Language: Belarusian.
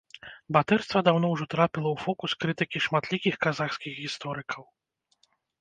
Батырства даўно ўжо трапіла ў фокус крытыкі шматлікіх казахскіх гісторыкаў.